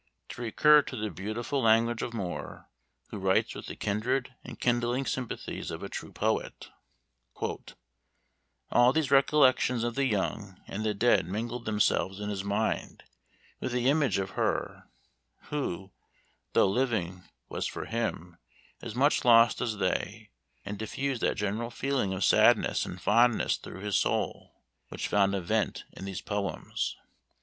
To recur to the beautiful language of Moore, who writes with the kindred and kindling sympathies of a true poet: "All these recollections of the young and the dead mingled themselves in his mind with the image of her, who, though living, was for him, as much lost as they, and diffused that general feeling of sadness and fondness through his soul, which found a vent in these poems....